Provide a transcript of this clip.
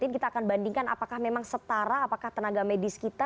kita akan bandingkan apakah memang setara apakah tenaga medis kita